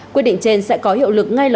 quyết định trên sẽ có hiệu lực ngay